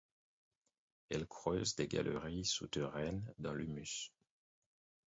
Elle creuse des galeries souterraines dans l'humus.